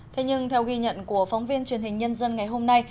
thế nhưng theo ghi nhận của phóng viên truyền hình nhân dân ngày hôm nay